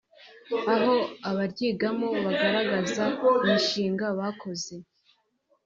aho abaryigamo bagaragaza imishinga bakoze